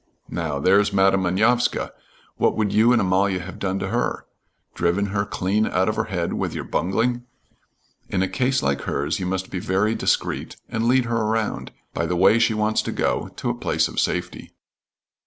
Now, there's Madam Manovska. What would you and Amalia have done to her? Driven her clean out of her head with your bungling. In a case like hers you must be very discreet, and lead her around, by the way she wants to go, to a place of safety."